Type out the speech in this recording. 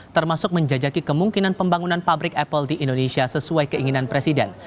termasuk menjajaki kemungkinan pembangunan pabrik apple di indonesia sesuai keinginan presiden